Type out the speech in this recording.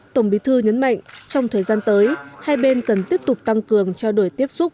tổng bí thư nhấn mạnh trong thời gian tới hai bên cần tiếp tục tăng cường trao đổi tiếp xúc